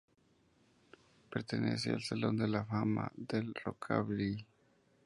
Pertenece al Salón de la Fama del Rockabilly.